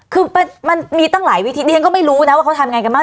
คือมันมีตั้งหลายวิธีดิฉันก็ไม่รู้นะว่าเขาทำยังไงกันบ้าง